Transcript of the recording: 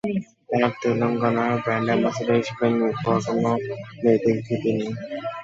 তাঁর তেলেঙ্গানার brand ambassador হিসেবে নিয়োগ পাওয়ার কোনো নৈতিক ভিত্তি নেই।